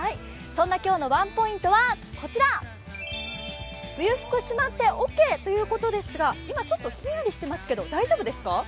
そんな今日のワンポイントはこちら、冬服しまってオッケーということですが今ちょっとひんやりしてますけど、大丈夫ですか？